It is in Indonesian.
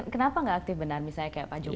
kenapa nggak aktif benar misalnya kayak pak jokowi